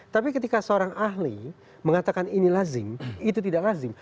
tapi ketika seorang ahli mengatakan ini lazim itu tidak lazim